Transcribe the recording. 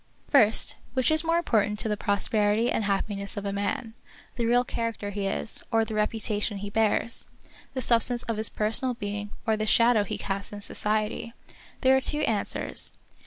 First, which is more important to the prosperity and happiness of a man, the real character he is, or the reputation he bears } the substance of his personal being, or the shadow he casts in society } There are two answers.